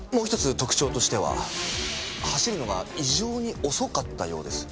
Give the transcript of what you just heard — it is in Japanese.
特徴としては走るのが異常に遅かったようです。